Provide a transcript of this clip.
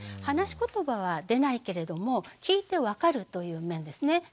話しことばは出ないけれども聴いて分かるという面ですね。